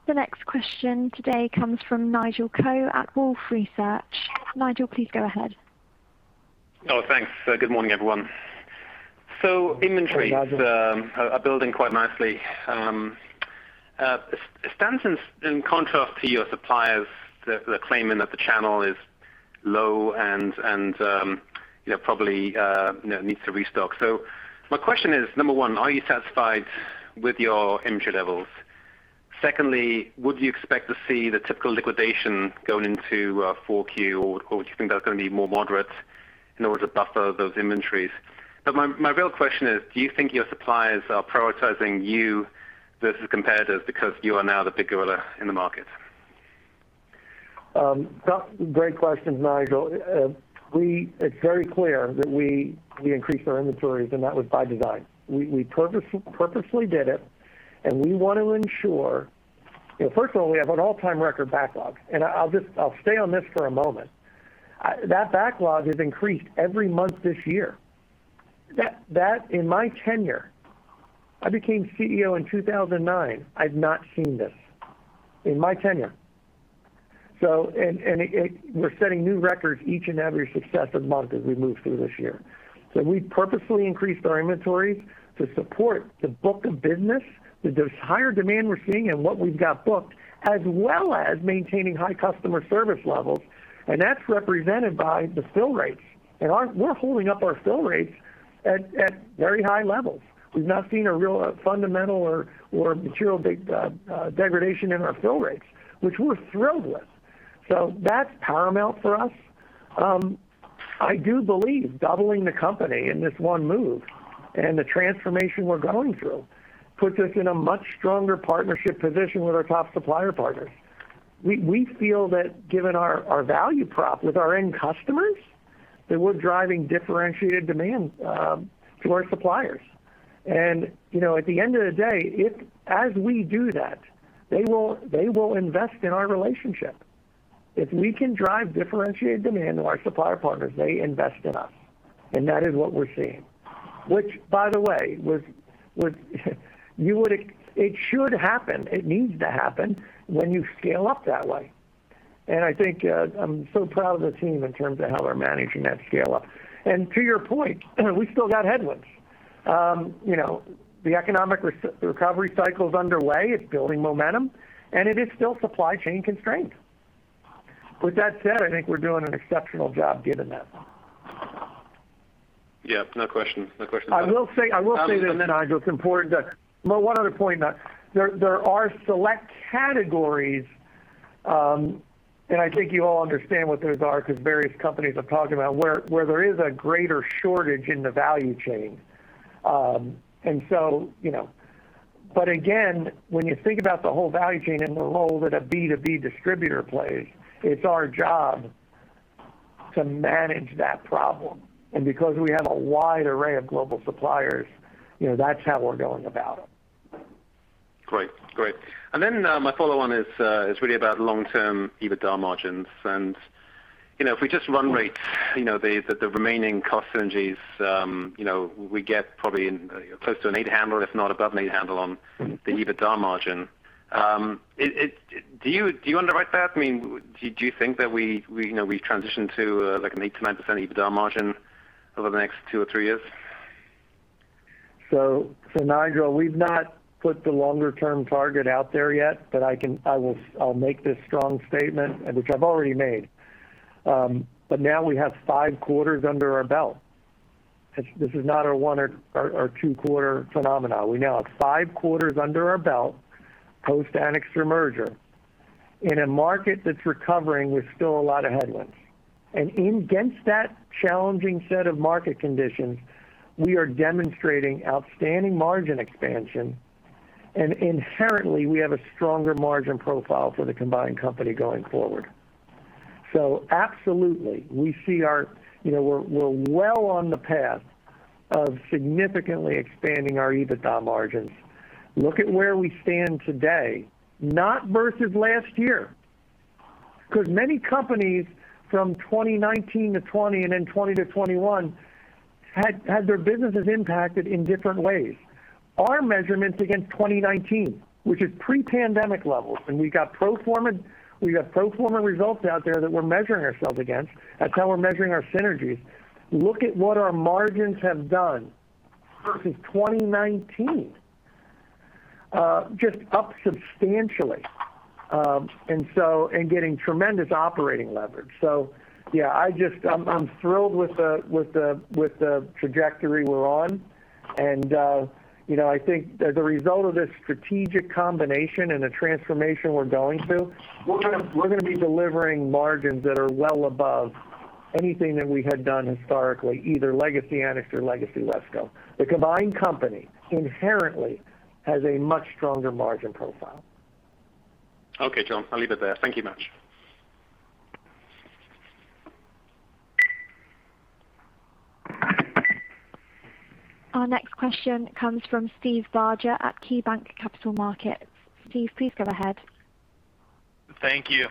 The next question today comes from Nigel Coe at Wolfe Research. Nigel, please go ahead. Oh, thanks. Good morning, everyone. Inventory- Hi, Nigel. Inventories are building quite nicely. It stands in contrast to your suppliers claiming that the channel is low and, you know, probably needs to restock. My question is, number one, are you satisfied with your inventory levels? Secondly, would you expect to see the typical liquidation going into Q4, or do you think that's gonna be more moderate in order to buffer those inventories? My real question is, do you think your suppliers are prioritizing you versus competitors because you are now the big gorilla in the market? Great questions, Nigel. It's very clear that we increased our inventories, and that was by design. We purposefully did it, and we want to ensure. You know, first of all, we have an all-time record backlog, and I'll stay on this for a moment. That backlog has increased every month this year. That in my tenure, I became CEO in 2009, I've not seen this in my tenure. And it, we're setting new records each and every successive month as we move through this year. We purposefully increased our inventories to support the book of business, those higher demand we're seeing and what we've got booked, as well as maintaining high customer service levels, and that's represented by the fill rates. We're holding up our fill rates at very high levels. We've not seen a real fundamental or material degradation in our fill rates, which we're thrilled with. That's paramount for us. I do believe doubling the company in this one move and the transformation we're going through puts us in a much stronger partnership position with our top supplier partners. We feel that given our value prop with our end customers, that we're driving differentiated demand to our suppliers. You know, at the end of the day, as we do that, they will invest in our relationship. If we can drive differentiated demand to our supplier partners, they invest in us, and that is what we're seeing, which, by the way, it should happen. It needs to happen when you scale up that way. I think I'm so proud of the team in terms of how they're managing that scale-up. To your point, we still got headwinds. You know, the economic recovery cycle is underway, it's building momentum, and it is still supply chain constraints. With that said, I think we're doing an exceptional job given that. Yeah. No question. I will say this, Nigel. It's important to. Well, one other point, that there are select categories, and I think you all understand what those are because various companies have talked about where there is a greater shortage in the value chain. You know. But again, when you think about the whole value chain and the role that a B2B distributor plays, it's our job to manage that problem. Because we have a wide array of global suppliers, you know, that's how we're going about it. Great. Then, my follow-on is really about long-term EBITDA margins. You know, if we just run rate, you know, the remaining cost synergies, you know, we get probably in close to an eight-handle, if not above an eight-handle on the EBITDA margin. Do you underwrite that? I mean, do you think that we, you know, we transition to like an 8%-9% EBITDA margin over the next two or three years? Nigel, we've not put the longer-term target out there yet, but I'll make this strong statement, which I've already made. Now we have five quarters under our belt. This is not a one or two quarter phenomenon. We now have five quarters under our belt post-Anixter merger in a market that's recovering with still a lot of headwinds. Against that challenging set of market conditions, we are demonstrating outstanding margin expansion, and inherently, we have a stronger margin profile for the combined company going forward. Absolutely, we're well on the path of significantly expanding our EBITDA margins. Look at where we stand today, not versus last year, because many companies from 2019 to 2020 and then 2020 to 2021 had their businesses impacted in different ways. Our measurements against 2019, which is pre-pandemic levels, and we got pro forma results out there that we're measuring ourselves against. That's how we're measuring our synergies. Look at what our margins have done versus 2019, just up substantially. Getting tremendous operating leverage. Yeah, I'm thrilled with the trajectory we're on. You know, I think as a result of this strategic combination and the transformation we're going through, we're gonna be delivering margins that are well above anything that we had done historically, either legacy Anixter or legacy WESCO. The combined company inherently has a much stronger margin profile. Okay, John, I'll leave it there. Thank you much. Our next question comes from Steve Barger at KeyBanc Capital Markets. Steve, please go ahead. Thank you.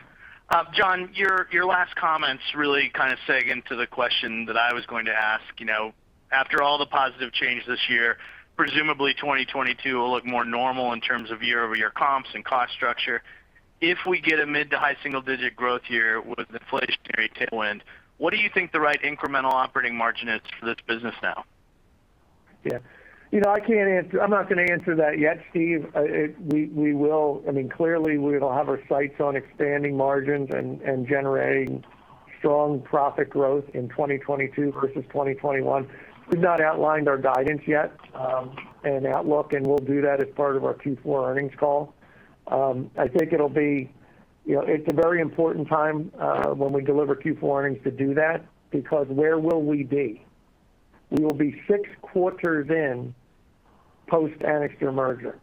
John, your last comments really kind of segued into the question that I was going to ask. You know, after all the positive change this year, presumably 2022 will look more normal in terms of year-over-year comps and cost structure. If we get a mid- to high-single-digit growth year with inflationary tailwind, what do you think the right incremental operating margin is for this business now? Yeah. You know, I can't answer. I'm not gonna answer that yet, Steve. We will have our sights on expanding margins and generating strong profit growth in 2022 versus 2021. We've not outlined our guidance yet and outlook, and we'll do that as part of our Q4 earnings call. I think it'll be a very important time when we deliver Q4 earnings to do that, because where will we be? We will be six quarters in post-Anixter merger.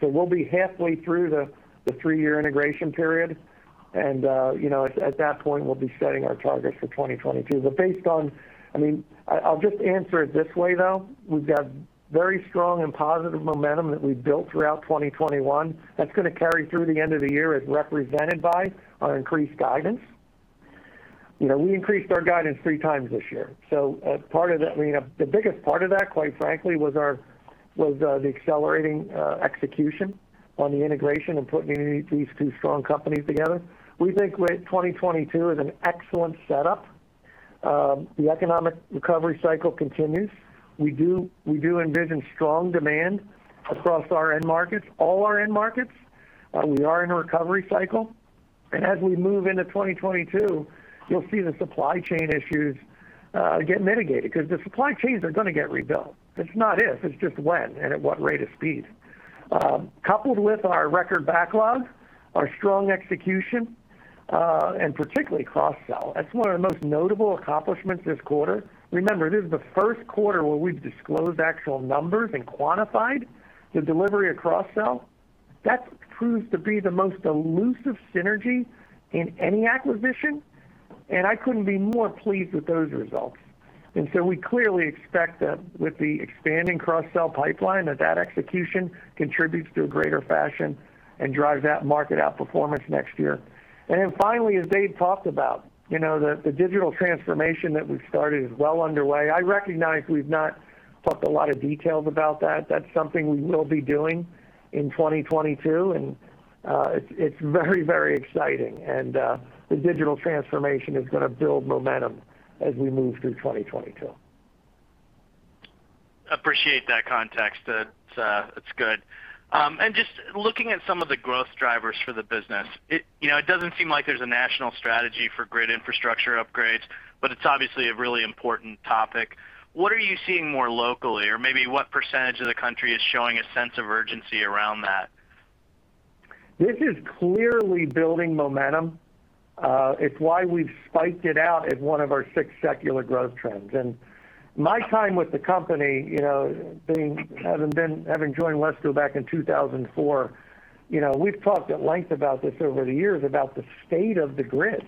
We'll be halfway through the 3-year integration period. You know, at that point, we'll be setting our targets for 2022. Based on, I mean, I'll just answer it this way, though. We've got very strong and positive momentum that we've built throughout 2021. That's gonna carry through the end of the year as represented by our increased guidance. You know, we increased our guidance three times this year. As part of that, I mean, the biggest part of that, quite frankly, was the accelerating execution on the integration and putting these two strong companies together. We think 2022 is an excellent setup. The economic recovery cycle continues. We envision strong demand across our end markets, all our end markets. We are in a recovery cycle. As we move into 2022, you'll see the supply chain issues get mitigated because the supply chains are gonna get rebuilt. It's not if, it's just when and at what rate of speed. Coupled with our record backlog, our strong execution, and particularly cross-sell. That's one of the most notable accomplishments this quarter. Remember, it is the first quarter where we've disclosed actual numbers and quantified the delivery of cross-sell. That proves to be the most elusive synergy in any acquisition, and I couldn't be more pleased with those results. We clearly expect that with the expanding cross-sell pipeline, that execution contributes to a greater fashion and drives that market outperformance next year. Finally, as Dave talked about, you know, the digital transformation that we've started is well underway. I recognize we've not talked a lot of details about that. That's something we will be doing in 2022. It's very, very exciting. The digital transformation is gonna build momentum as we move through 2022. Appreciate that context. It's good. Just looking at some of the growth drivers for the business, you know, it doesn't seem like there's a national strategy for grid infrastructure upgrades, but it's obviously a really important topic. What are you seeing more locally, or maybe what percentage of the country is showing a sense of urgency around that? This is clearly building momentum. It's why we've spiked it out as one of our six secular growth trends. My time with the company, you know, having joined WESCO back in 2004. You know, we've talked at length about this over the years about the state of the grid.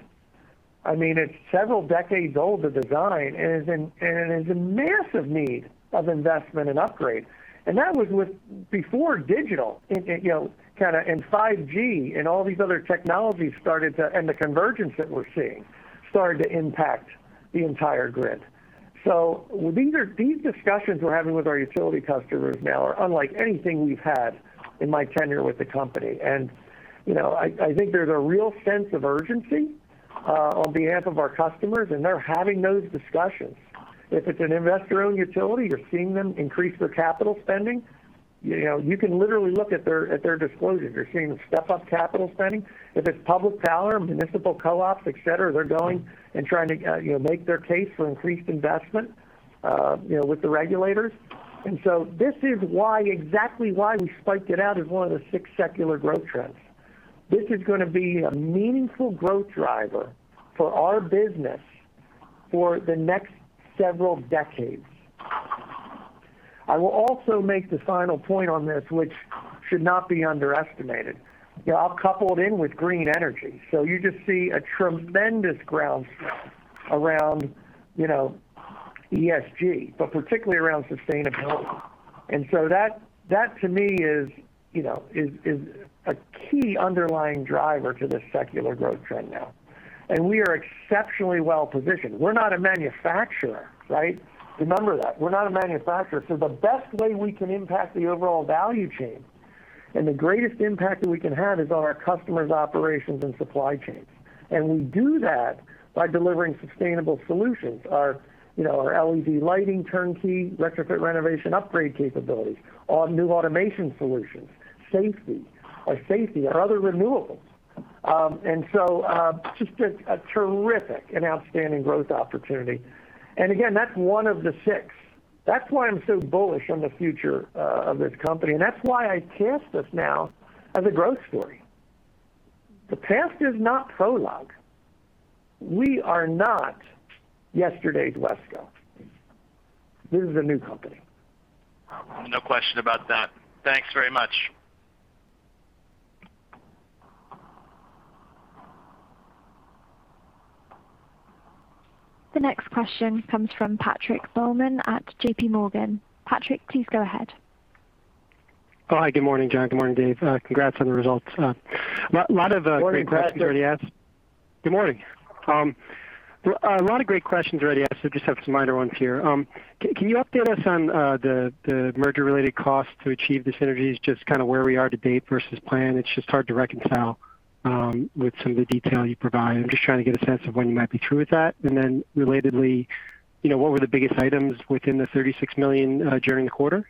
I mean, it's several decades old, the design, and it is in massive need of investment and upgrade. That was before digital, and you know, kinda, and 5G, and all these other technologies started to impact the entire grid. The convergence that we're seeing started to impact the entire grid. These discussions we're having with our utility customers now are unlike anything we've had in my tenure with the company. You know, I think there's a real sense of urgency on behalf of our customers, and they're having those discussions. If it's an investor-owned utility, you're seeing them increase their capital spending. You know, you can literally look at their disclosures. You're seeing them step up capital spending. If it's public power, municipal co-ops, et cetera, they're going and trying to make their case for increased investment with the regulators. This is why, exactly why we spiked it out as one of the six secular growth trends. This is gonna be a meaningful growth driver for our business for the next several decades. I will also make the final point on this, which should not be underestimated. You know, I'll couple it in with green energy. You just see a tremendous groundswell around, you know, ESG, but particularly around sustainability. That to me is, you know, a key underlying driver to this secular growth trend now. We are exceptionally well-positioned. We're not a manufacturer, right? Remember that. We're not a manufacturer, so the best way we can impact the overall value chain, and the greatest impact that we can have is on our customers' operations and supply chains. We do that by delivering sustainable solutions. Our, you know, our LED lighting turnkey, retrofit renovation upgrade capabilities. Our new automation solutions, safety, our other renewables. Just a terrific and outstanding growth opportunity. Again, that's one of the six. That's why I'm so bullish on the future of this company, and that's why I cast us now as a growth story. The past is not prologue. We are not yesterday's WESCO. This is a new company. No question about that. Thanks very much. The next question comes from Patrick Baumann at JPMorgan. Patrick, please go ahead. Oh, hi, good morning, John, good morning, Dave. Congrats on the results. Lot of great questions already asked. Morning, Patrick. Good morning. A lot of great questions already asked, I just have some minor ones here. Can you update us on the merger-related costs to achieve the synergies, just kinda where we are to date versus plan? It's just hard to reconcile with some of the detail you provide. I'm just trying to get a sense of when you might be through with that. Relatedly, you know, what were the biggest items within the $36 million during the quarter?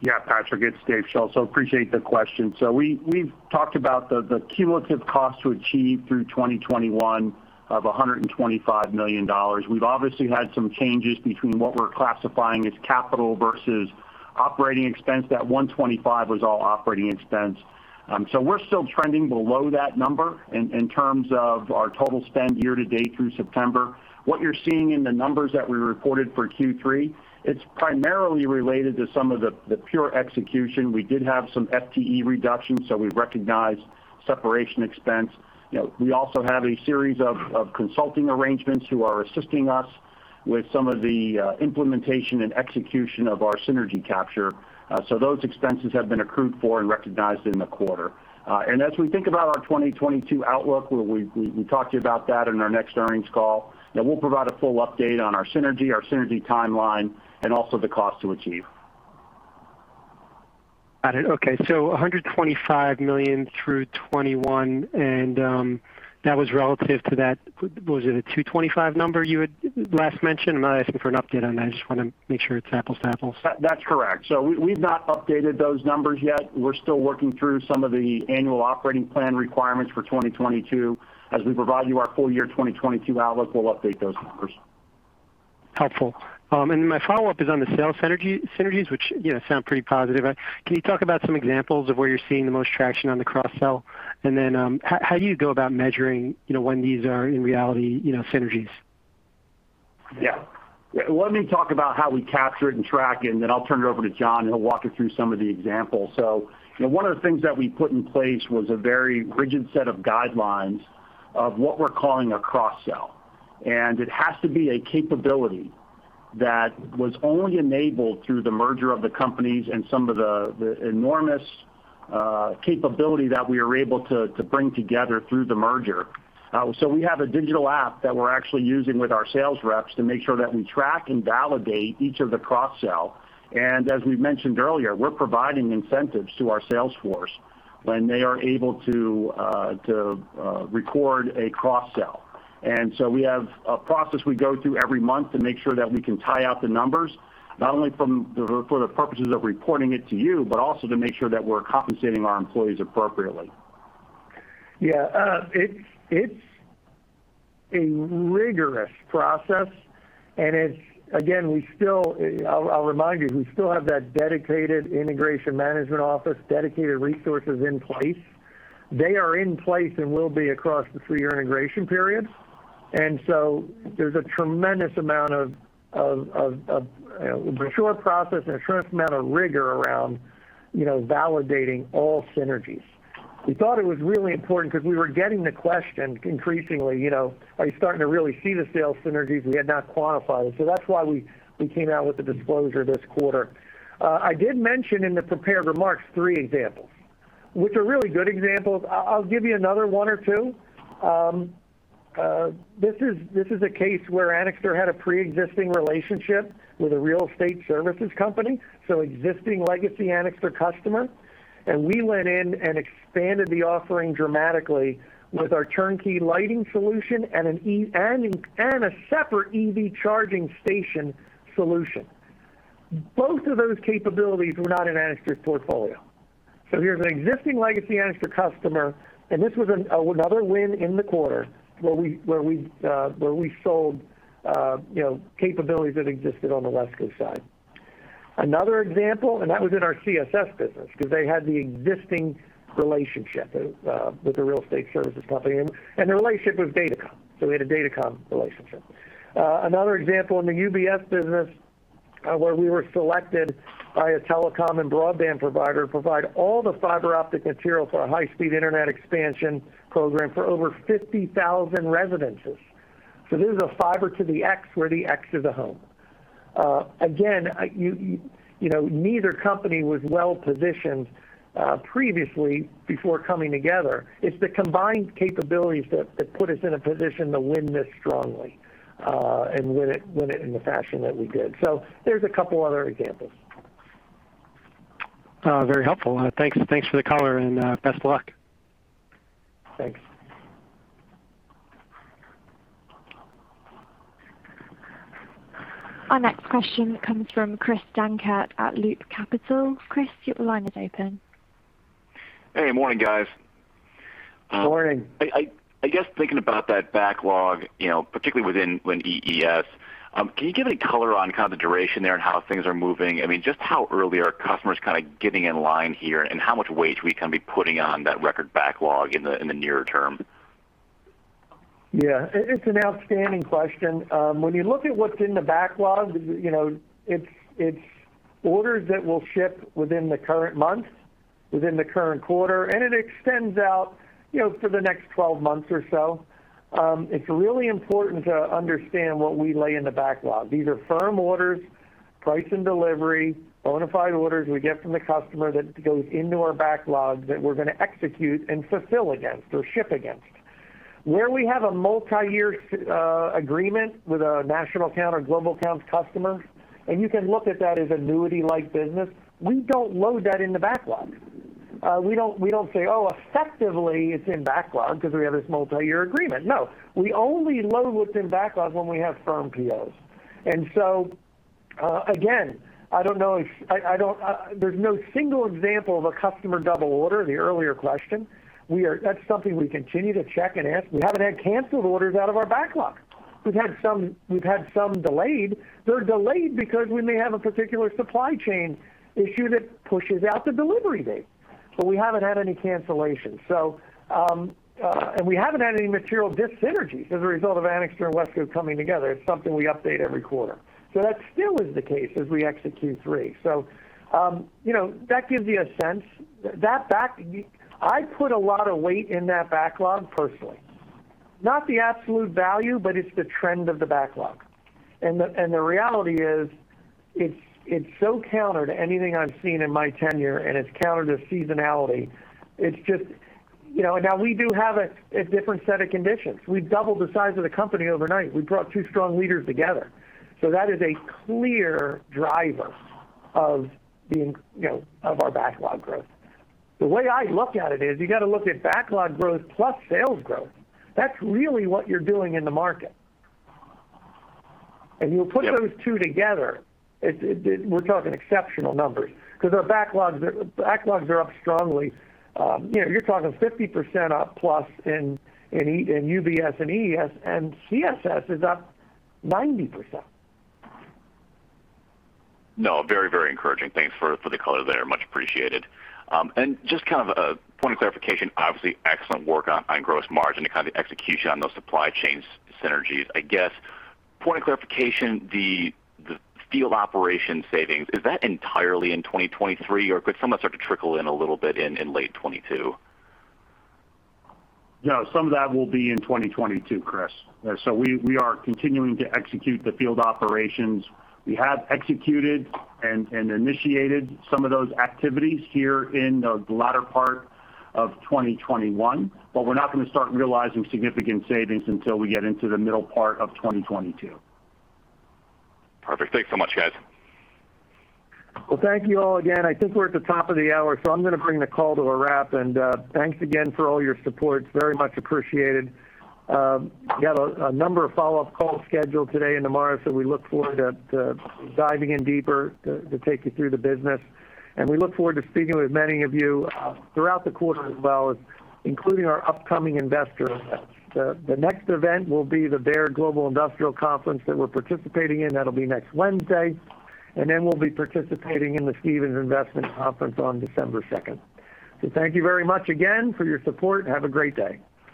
Yeah, Patrick, it's Dave Schulz. Appreciate the question. We've talked about the cumulative cost to achieve through 2021 of $125 million. We've obviously had some changes between what we're classifying as capital versus operating expense. That $125 million was all operating expense. We're still trending below that number in terms of our total spend year to date through September. What you're seeing in the numbers that we reported for Q3, it's primarily related to some of the pure execution. We did have some FTE reductions, so we recognized separation expense. You know, we also have a series of consulting arrangements who are assisting us with some of the implementation and execution of our synergy capture. Those expenses have been accrued for and recognized in the quarter. As we think about our 2022 outlook, where we talked to you about that in our next earnings call, you know, we'll provide a full update on our synergy, our synergy timeline, and also the cost to achieve. Got it. Okay. $125 million through 2021, and that was relative to that, was it a $225 number you had last mentioned? I'm not asking for an update on that. I just wanna make sure it's apples to apples. That's correct. We've not updated those numbers yet. We're still working through some of the annual operating plan requirements for 2022. As we provide you our full year 2022 outlook, we'll update those numbers. Helpful. My follow-up is on the Anixter synergies, which, you know, sound pretty positive. Can you talk about some examples of where you're seeing the most traction on the cross-sell? How do you go about measuring, you know, when these are in reality, you know, synergies? Yeah. Let me talk about how we capture it and track, and then I'll turn it over to John, and he'll walk you through some of the examples. You know, one of the things that we put in place was a very rigid set of guidelines of what we're calling a cross-sell. It has to be a capability that was only enabled through the merger of the companies and some of the enormous capability that we are able to bring together through the merger. We have a digital app that we're actually using with our sales reps to make sure that we track and validate each of the cross-sell. As we've mentioned earlier, we're providing incentives to our sales force when they are able to record a cross-sell. We have a process we go through every month to make sure that we can tie out the numbers, not only for the purposes of reporting it to you, but also to make sure that we're compensating our employees appropriately. It's a rigorous process. Again, I'll remind you, we still have that dedicated integration management office, dedicated resources in place. They are in place and will be across the three-year integration period. There's a tremendous amount of mature process and a tremendous amount of rigor around, you know, validating all synergies. We thought it was really important because we were getting the question increasingly, you know, "Are you starting to really see the sales synergies?" We had not quantified it. That's why we came out with the disclosure this quarter. I did mention in the prepared remarks three examples, which are really good examples. I'll give you another one or two. This is a case where Anixter had a preexisting relationship with a real estate services company, so existing legacy Anixter customer. We went in and expanded the offering dramatically with our turnkey lighting solution and a separate EV charging station solution. Both of those capabilities were not in Anixter's portfolio. Here's an existing legacy Anixter customer, and this was another win in the quarter where we sold, you know, capabilities that existed on the WESCO side. Another example. That was in our CSS business because they had the existing relationship with the real estate services company. The relationship was Datacom. We had a Datacom relationship. Another example in the UBS business, where we were selected by a telecom and broadband provider to provide all the fiber optic material for a high-speed internet expansion program for over 50,000 residences. This is a fiber to the X, where the X is a home. Again, you know, neither company was well-positioned previously before coming together. It's the combined capabilities that put us in a position to win this strongly, and win it in the fashion that we did. There's a couple other examples. Very helpful. Thanks for the color and best of luck. Thanks. Our next question comes from Chris Dankert at Loop Capital. Chris, your line is open. Hey, morning, guys. Morning. I guess thinking about that backlog, you know, particularly within EES, can you give any color on kind of the duration there and how things are moving? I mean, just how early are customers kind of getting in line here, and how much weight should we kind of be putting on that record backlog in the near term? It's an outstanding question. When you look at what's in the backlog, you know, it's orders that will ship within the current month, within the current quarter, and it extends out, you know, for the next 12 months or so. It's really important to understand what we load in the backlog. These are firm orders, price and delivery, bona fide orders we get from the customer that goes into our backlogs that we're gonna execute and fulfill against or ship against. Where we have a multiyear agreement with a national account or global account customer, and you can look at that as annuity-like business, we don't load that in the backlog. We don't say, "Oh, effectively it's in backlog because we have this multiyear agreement." No, we only load what's in backlog when we have firm POs. Again, I don't know if there's no single example of a customer double order in the earlier question. That's something we continue to check and ask. We haven't had canceled orders out of our backlog. We've had some delayed. They're delayed because we may have a particular supply chain issue that pushes out the delivery date, but we haven't had any cancellations. And we haven't had any material dyssynergies as a result of Anixter and WESCO coming together. It's something we update every quarter. That still is the case as we exit Q3. You know, that gives you a sense. I put a lot of weight in that backlog personally. Not the absolute value, but it's the trend of the backlog. The reality is, it's so counter to anything I've seen in my tenure, and it's counter to seasonality. It's just. You know, now we do have a different set of conditions. We've doubled the size of the company overnight. We brought two strong leaders together. That is a clear driver of our backlog growth. The way I look at it is you got to look at backlog growth plus sales growth. That's really what you're doing in the market. Yep. You put those two together, we're talking exceptional numbers because our backlogs are up strongly. You know, you're talking 50% up plus in UBS and EES, and CSS is up 90%. No, very encouraging. Thanks for the color there. Much appreciated. Just kind of a point of clarification, obviously excellent work on gross margin and kind of the execution on those supply chains synergies. I guess point of clarification, the field operation savings, is that entirely in 2023, or could some of that start to trickle in a little bit in late 2022? No, some of that will be in 2022, Chris. We are continuing to execute the field operations. We have executed and initiated some of those activities here in the latter part of 2021, but we're not gonna start realizing significant savings until we get into the middle part of 2022. Perfect. Thanks so much, guys. Well, thank you all again. I think we're at the top of the hour, so I'm gonna bring the call to a wrap. Thanks again for all your support. It's very much appreciated. Got a number of follow-up calls scheduled today and tomorrow, so we look forward to diving in deeper to take you through the business. We look forward to speaking with many of you throughout the quarter as well, including our upcoming investor events. The next event will be the Baird Global Industrial Conference that we're participating in. That'll be next Wednesday. We'll be participating in the Stephens Investment Conference on December second. Thank you very much again for your support, and have a great day.